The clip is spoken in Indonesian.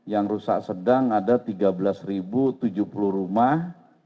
yang rusak sedang ada tiga belas tujuh puluh rumah